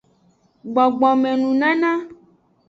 Gbogbome nunana.